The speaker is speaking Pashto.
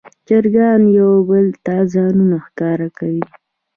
چرګان یو بل ته ځانونه ښکاره کوي.